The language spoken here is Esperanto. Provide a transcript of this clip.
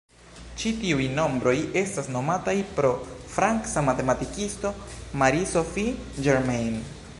Ĉi tiuj nombroj estas nomataj pro franca matematikisto Marie-Sophie Germain.